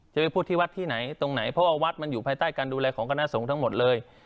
จะไปพูดที่วัดที่ไหนตรงไหนเพราะว่าวัดมันอยู่ภายใต้การดูแลของคณะสงฆ์ทั้งหมดเลย